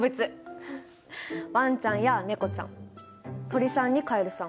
ワンちゃんやネコちゃん鳥さんにカエルさん。